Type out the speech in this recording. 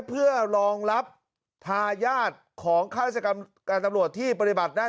เพื่อรองรับทายาทของข้าราชการตำรวจที่ปฏิบัติหน้า